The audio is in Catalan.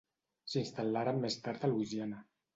S'instal·laren més tard a Louisiana.